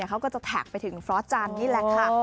เขาก็จะแท็กไปถึงฟรอสจันทร์นี่แหละค่ะ